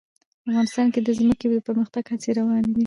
افغانستان کې د ځمکه د پرمختګ هڅې روانې دي.